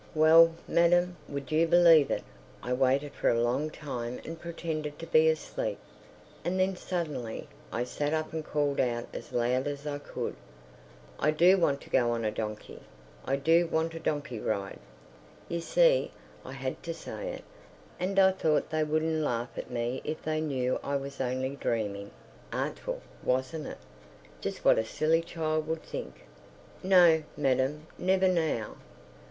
Well, madam, would you believe it, I waited for a long time and pretended to be asleep, and then suddenly I sat up and called out as loud as I could, "I do want to go on a donkey. I do want a donkey ride!" You see, I had to say it, and I thought they wouldn't laugh at me if they knew I was only dreaming. Artful—wasn't it? Just what a silly child would think.... ... No, madam, never now.